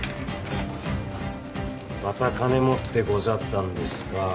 「また金持ってござったんですか」